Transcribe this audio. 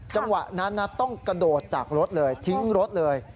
จังหวะนั้นต้องกระโดดจากรถเลยทิ้งรถเลย